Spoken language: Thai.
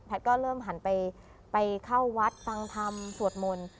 ผตก็เริ่มหันไปเข้าวัดตรางทำสวดมนต์